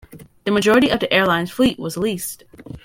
The majority of the airline's fleet was leased.